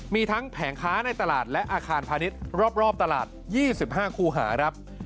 มีทั้งแผงค้าในตลาดและอาคารพาณิชย์รอบตลาด๒๕คู่หาครับ